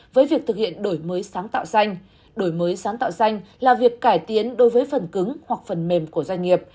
với việc thực hiện đổi mới sáng tạo xanh đổi mới sáng tạo xanh là việc cải tiến đối với phần cứng hoặc phần mềm của doanh nghiệp